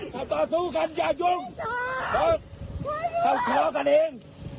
สวดออกมาแค่มีครอง